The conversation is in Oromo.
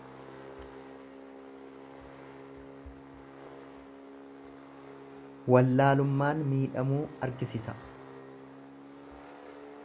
Wallaalummaan miidhamuu argisisa.